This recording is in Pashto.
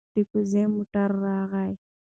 د ګوز موتر روغلى.